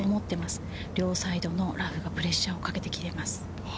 両サイドのラフがプレッシャーをかけて切れます。